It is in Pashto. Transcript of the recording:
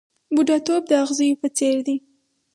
بوډاتوب د اغزیو په څېر دی .